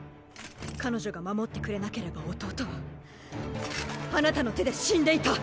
彼女が守ってくれなければ弟はあなたの手で死んでいた。